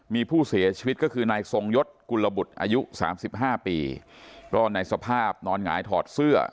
มีผู้เสียชีวิตก็คือนายทรงยศกุลบุตรอายุสามสิบห้าปีก็ในสภาพนอนหงายถอดเสื้อ